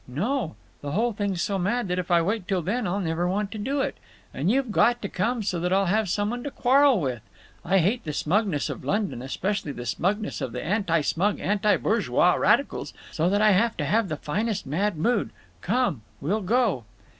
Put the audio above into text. "No. The whole thing's so mad that if I wait till then I'll never want to do it. And you've got to come, so that I'll have some one to quarrel with…. I hate the smugness of London, especially the smugness of the anti smug anti bourgeois radicals, so that I have the finest mad mood! Come. We'll go."